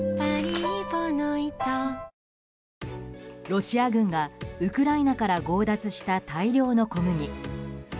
ロシア軍がウクライナから強奪した大量の小麦。